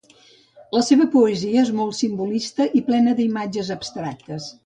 La seva poesia és molt simbolista i plena d'imatges abstractes.